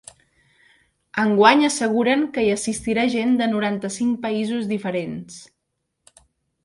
Enguany asseguren que hi assistirà gent de noranta-cinc països diferents.